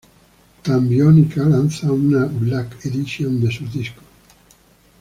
Tan Biónica lanza una Black Edition de sus discos.